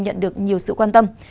nhận được nhiều sự quan tâm